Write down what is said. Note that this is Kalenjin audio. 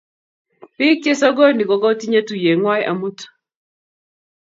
biik chesokoni ko kotinye tuyie ng'wany amut.